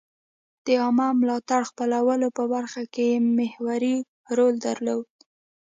د عامه ملاتړ خپلولو په برخه کې محوري رول درلود.